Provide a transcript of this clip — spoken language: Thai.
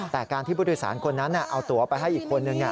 แต่การที่ผู้โดยสารคนนั้นเอาตัวไปให้อีกคนนึง